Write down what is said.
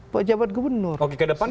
pejabat gubernur oke ke depan